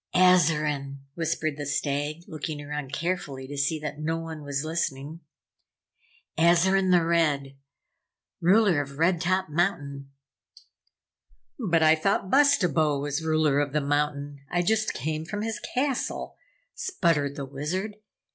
"Azarine!" whispered the Stag, looking around carefully to see that no one was listening. "Azarine the Red Ruler of Red Top Mountain!" "But I thought Bustabo was ruler of the mountain! I just came from his castle!" sputtered the Wizard.